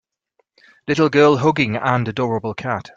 Little girl hugging and adorable cat